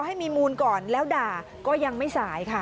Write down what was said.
ให้มีมูลก่อนแล้วด่าก็ยังไม่สายค่ะ